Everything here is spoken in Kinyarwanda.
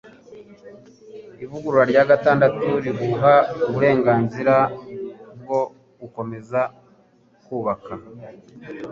Ivugurura rya gatandatu riguha uburenganzira bwo gukomeza kubaka